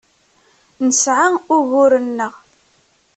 Nesɛa uguren-nneɣ.